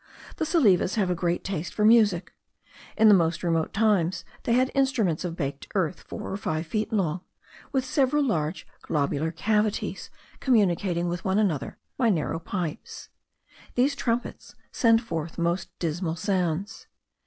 The Salives have a great taste for music: in the most remote times they had trumpets of baked earth, four or five feet long, with several large globular cavities communicating with one another by narrow pipes. These trumpets send forth most dismal sounds.